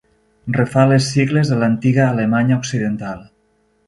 Refà les sigles de l'antiga Alemanya occidental.